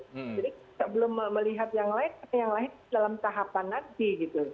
jadi kita belum melihat yang lain tapi yang lain dalam tahapan nanti gitu